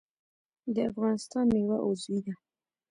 د افغانستان میوه عضوي ده